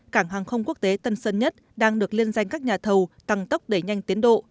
cảng hàng không quốc tế tân sơn nhất đang được liên danh các nhà thầu tăng tốc đẩy nhanh tiến độ